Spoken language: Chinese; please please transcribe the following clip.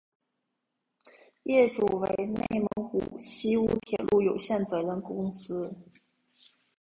业主为内蒙古锡乌铁路有限责任公司。